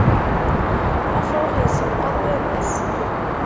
Afrux yisselqaḍ baba-s.